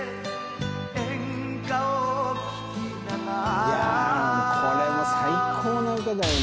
いやこれも最高の歌だよな。